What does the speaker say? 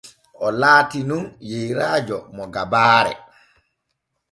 Oo laati nun yeyrajo mo gabaare.